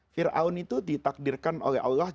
fir'aun itu ditakdirkan oleh allah